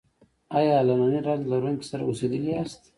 ایا له نري رنځ لرونکي سره اوسیدلي یاست؟